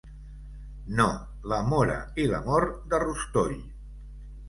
No, la móra i l'amor, de rostoll.